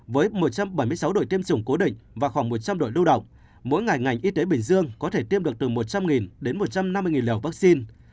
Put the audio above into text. với một trăm bảy mươi sáu đội tiêm chủng cố định và khoảng một trăm linh đội lưu động mỗi ngày ngành y tế bình dương có thể tiêm được từ một trăm linh đến một trăm năm mươi liều vaccine